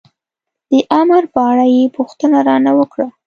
د امر په اړه یې پوښتنه را نه وکړه.